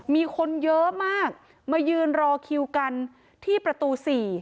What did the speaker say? มีคนเยอะมากมายืนรอคิวกันที่ประตู๔